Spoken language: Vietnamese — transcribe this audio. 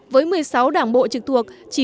với một mươi sáu đảng bộ trực thuộc